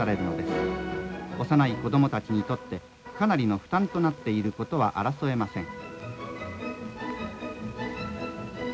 幼い子どもたちにとってかなりの負担となっていることは争えません」。